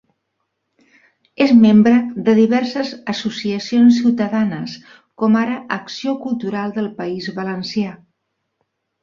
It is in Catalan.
És membre de diverses associacions ciutadanes, com ara Acció Cultural del País Valencià.